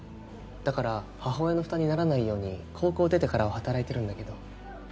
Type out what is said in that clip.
だから母親の負担にならないように高校出てからは働いてるんだけど。